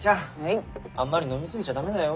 あんまり飲みすぎちゃダメだよ。